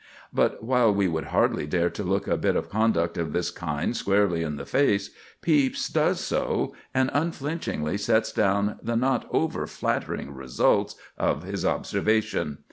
But while we would hardly dare to look a bit of conduct of this kind squarely in the face, Pepys does so, and unflinchingly sets down the not over flattering results of his observation.